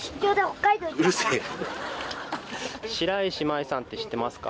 白石麻衣さんって知ってますか？